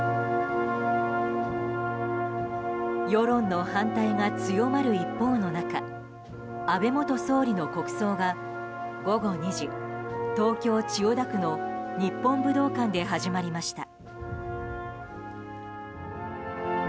世論の反対が強まる一方の中安倍元総理の国葬が午後２時東京・千代田区の日本武道館で始まりました。